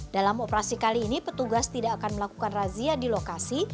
dalam operasi kali ini petugas tidak akan melakukan razia di lokasi